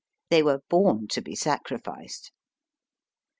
They were born to be sacrificed.